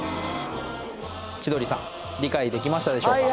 千鳥さん理解できましたでしょうか？